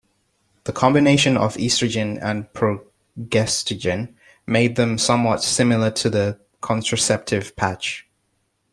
The combination of estrogen and progestogen make them somewhat similar to the contraceptive patch.